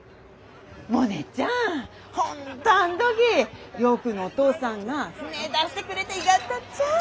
モネちゃん本当あん時亮君のお父さんが船出してくれでいがったっちゃ。